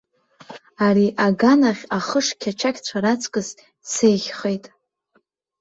Ари аганахь ахыш қьачақьцәа раҵкыс сеиӷьхеит.